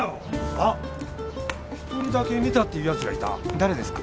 あッ一人だけ見たっていうやつがいた誰ですか？